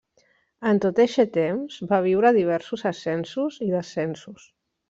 En tot eixe temps va viure diversos ascensos i descensos.